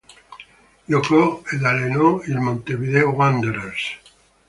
Giocò ed allenò il Montevideo Wanderers.